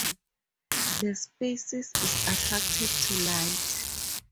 This species is attracted to light.